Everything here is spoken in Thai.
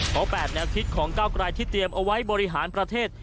เพราะ๘แนวคิดของก้าวกลายที่เตรียมเอาไว้บริหารประเทศ